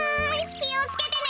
きをつけてね！